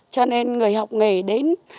cho nên người học nghề đến